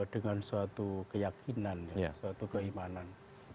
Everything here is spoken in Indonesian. dengan suatu keyakinan suatu keimanan